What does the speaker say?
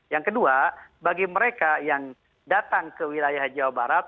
yang kedua bagi mereka yang datang ke wilayah jawa barat